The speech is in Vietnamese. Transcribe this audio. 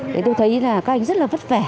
thế tôi thấy là các anh rất là vất vẻ